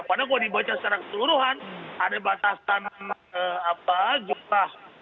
padahal kalau dibaca secara keseluruhan ada batasan jumlah